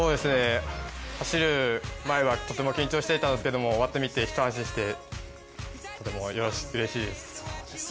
走る前はとても緊張していたんですけれども、終わってみて、一安心して、とてもうれしいです。